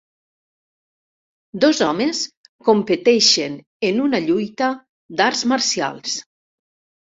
Dos homes competeixen en una lluita d'arts marcials.